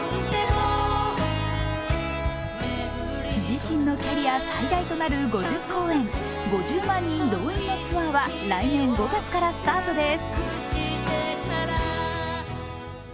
自身のキャリア最大となる５０公演、５０万人動員のツアーは来年５月からスタートです。